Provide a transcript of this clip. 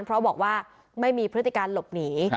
เพราะบอกว่าไม่มีพฤติการหลบหนี